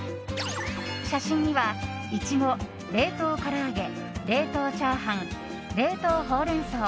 写真にはイチゴ冷凍から揚げ、冷凍チャーハン冷凍ほうれん草